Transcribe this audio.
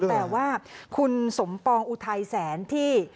แต่ว่าคุณสมปองอุทัยแสนที่